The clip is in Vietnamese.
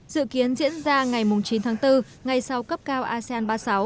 dự kiến diễn ra ngày chín tháng bốn ngay sau cấp cao asean ba mươi sáu